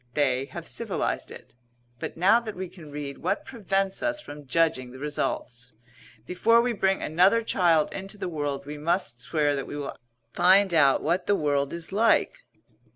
They have civilized it. But now that we can read, what prevents us from judging the results? Before we bring another child into the world we must swear that we will find out what the world is like."